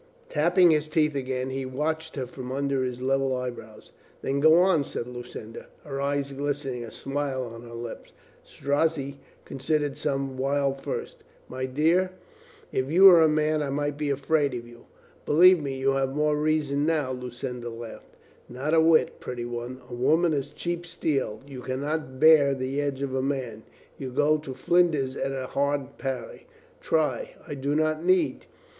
Tapping his teeth again, he watched her from under level eyebrows. "Then, go on," said Lucinda, her eyes glistening, a smile about her lips. Strozzi considered some while first. "My dear, if you were a man I might be afraid of you." "Believe me, you have more reason now," Lu cinda laughed. "Not a whit, pretty one. A woman is cheap steel. You can not bear the edge of a man. You go to flinders at a hard parry." "Try!" "I do not need.